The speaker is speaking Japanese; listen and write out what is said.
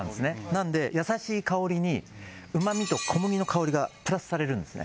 なんで優しい香りにうま味と小麦の香りがプラスされるんですね